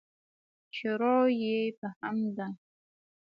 شروع یې په حمد ده.